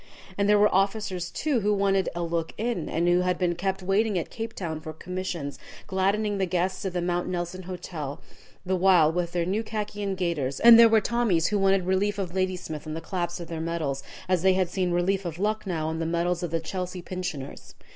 And there were officers, too, who wanted a "look in," and who had been kept waiting at Cape Town for commissions, gladdening the guests of the Mount Nelson Hotel the while with their new khaki and gaiters, and there were Tommies who wanted "Relief of Ladysmith" on the claps of their medals, as they had seen "Relief of Lucknow" on the medals of the Chelsea pensioners.